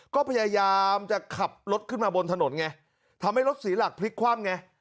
ก็พยายามจะขับรถขึ้นมาบนถนนไงทำให้รถเสียหลักพลิกคว่ำไง